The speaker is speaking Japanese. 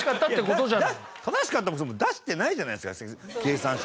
正しかった出してないじゃないですか計算式